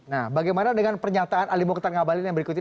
nah bagaimana dengan pernyataan ali mokhtar ngabalin yang berikut ini